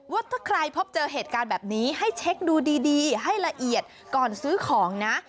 ว่าถ้าใครพบเจอเหตุการณ์แบบนี้ให้เช็คดูดีให้ละเอียดก่อนซื้อของนะ